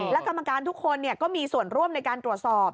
และกรรมการทุกคนก็มีส่วนร่วมในการตรวจสอบ